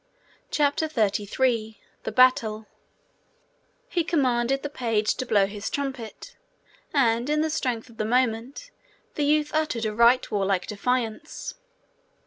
CHAPTER 33 The Battle He commanded the page to blow his trumpet; and, in the strength of the moment, the youth uttered a right warlike defiance.